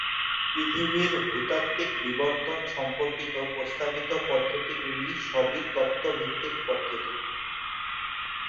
পৃথিবীর ভূত্বকীয় বিবর্তন সম্পর্কিত প্রস্তাবিত পদ্ধতিগুলি সবই তত্ত্ব-ভিত্তিক পদ্ধতি।